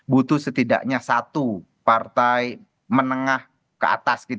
butuh setidaknya satu partai menengah ke atas